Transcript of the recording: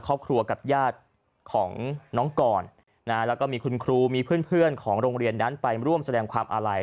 ครอบครัวกับญาติของน้องก่อนนะแล้วก็มีคุณครูมีเพื่อนของโรงเรียนนั้นไปร่วมแสดงความอาลัย